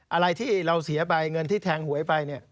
อะไรที่เราเสียไปเงินที่แทงหวยไปเนี่ย